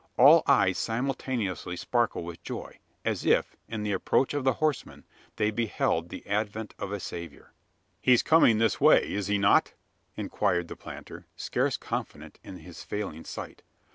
All eyes simultaneously sparkle with joy; as if, in the approach of the horseman, they beheld the advent of a saviour! "He's coming this way, is he not?" inquired the planter, scarce confident in his failing sight.